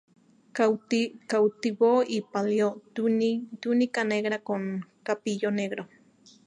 Cautivo y Palio: túnica negra con capillo negro.